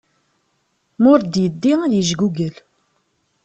Ma ur d-yeddi ad yejgugel.